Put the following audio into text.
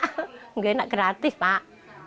tidak enak gratis pak